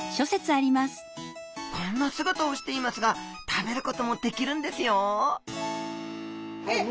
こんな姿をしていますが食べることもできるんですよ